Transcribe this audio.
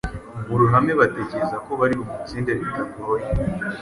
mu ruhame batekereza ko bari bumutsinde bitabagoye,